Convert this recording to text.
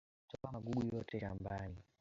Toa magugu yote shambani